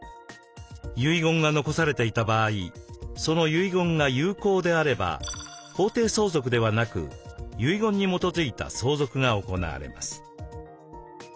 遺言が残されていた場合その遺言が有効であれば法定相続ではなく遺言に基づいた相続が行われます。